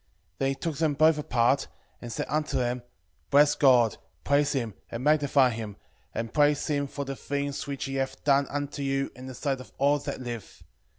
12:6 Then he took them both apart, and said unto them, Bless God, praise him, and magnify him, and praise him for the things which he hath done unto you in the sight of all that live.